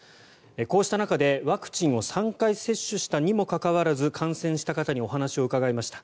こうした中でワクチンを３回接種したにもかかわらず感染した方にお話を伺いました。